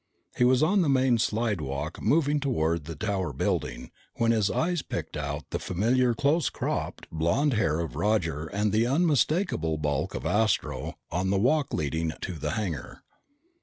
He was on the main slidewalk, moving toward the Tower building, when his eyes picked out the familiar close cropped blond hair of Roger and the unmistakable bulk of Astro on the walk leading to the hangar.